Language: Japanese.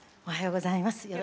おはようございます。